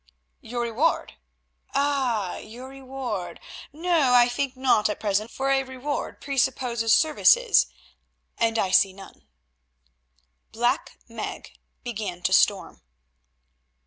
"Your reward? Ah! your reward. No, I think not at present, for a reward presupposes services—and I see none." Black Meg began to storm.